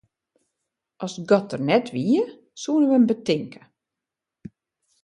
As God der net wie, soenen wy him betinke.